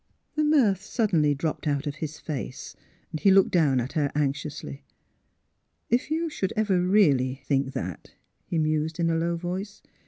The mirth suddenly dropped out of his face. He looked down at her anxiously. *' If you should ever really think that," he mused in a low voice.